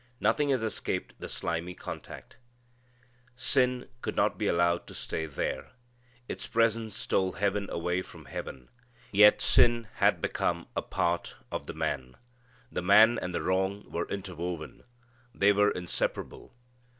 Nothing has escaped the slimy contact. Sin could not be allowed to stay there. Its presence stole heaven away from heaven. Yet sin had become a part of the man. The man and the wrong were interwoven. They were inseparable.